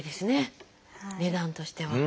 値段としては。